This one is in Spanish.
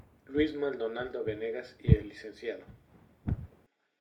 Luis Maldonado Venegas y el Lic.